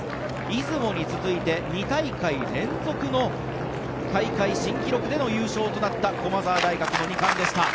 出雲に続いて２大会連続の大会新記録での優勝となった駒澤大学の２冠でした。